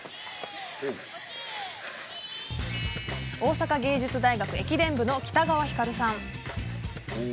大阪芸術大学駅伝部の北川星瑠さん。